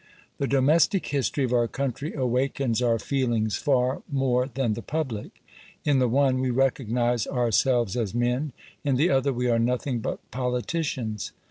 The domestic history of our country awakens our feelings far more than the public. In the one, we recognise ourselves as men; in the other, we are nothing but politicians.